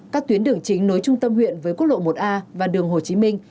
các tuyến đường chính nối trung tâm huyện với quốc lộ một a và đường hồ chí minh